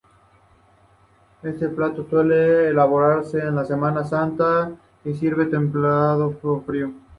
Este plato suele elaborarse en Semana Santa y servirse templado o frío.